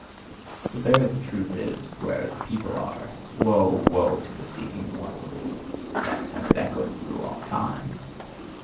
"For there the truth is, where the people are! Woe, woe to the seeking ones!" thus hath it echoed through all time.